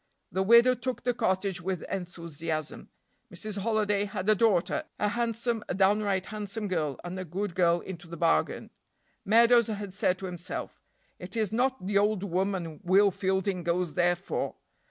The widow took the cottage with enthusiasm. Mrs. Holiday had a daughter, a handsome a downright handsome girl, and a good girl into the bargain. Meadows had said to himself: "It is not the old woman Will Fielding goes there for.